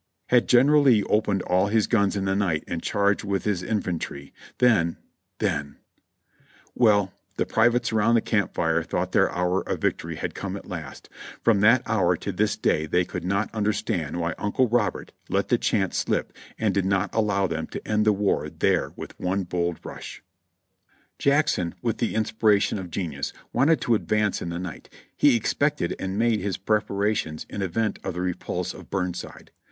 Had General Lee opened all his guns in the night and charged with his infantry — then — then ! Well, the privates around the camp fire thought their hour of victory had come at last ; from that hour to this day they could not understand why "Uncle Robert" let the chance slip and did not allow them to end the war there with one bold rush. Jackson, with the inspiration of genius, wanted to advance in the night; he expected and made his preparations in event of the repulse of Burnside.